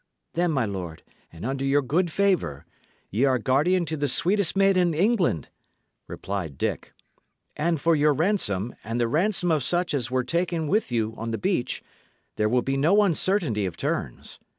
"Then, my lord, and under your good favour, ye are guardian to the sweetest maid in England," replied Dick; "and for your ransom, and the ransom of such as were taken with you on the beach, there will be no uncertainty of terms.